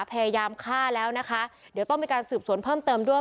พยายามฆ่าแล้วนะคะเดี๋ยวต้องมีการสืบสวนเพิ่มเติมด้วย